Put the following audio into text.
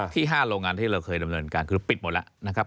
ที่๕โรงงานที่เราเคยดำเนินการคือปิดหมดแล้วนะครับ